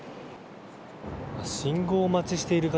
信号待ちしている方